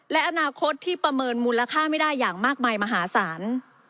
และอนาคตที่ประเมินมูลค่าไม่ได้อย่างมากมายมหาศาล